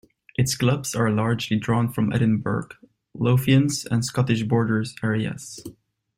Its clubs are largely drawn from the Edinburgh, Lothians and Scottish Borders areas.